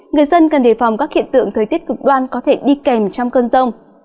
người dân cần đề phòng các hiện tượng thời tiết cực đoan có thể đi kèm trong cơn rông